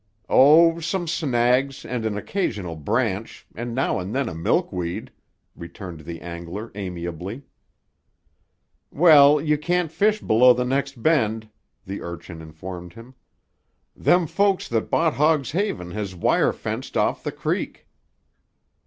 "Oh, some snags, and an occasional branch, and now and then a milkweed," returned the angler amiably. "Well, you can't fish below the nex' bend," the urchin informed him. "Them folks that bought Hogg's Haven has wire fenced off the creek."